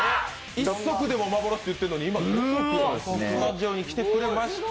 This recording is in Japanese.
１足でも幻といってるのにスタジオに来てくれました。